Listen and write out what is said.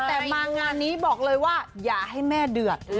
แต่มางานนี้บอกเลยว่าอย่าให้แม่เดือด